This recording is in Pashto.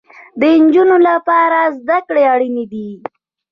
د انجونو لپاره زده کړې اړينې دي